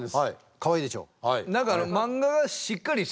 かわいいでしょう。